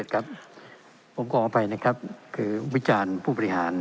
ครับผมก็ออกไปนะครับคือวิจารณ์ผู้บริหาร